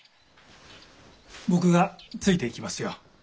僕がついていきますよ。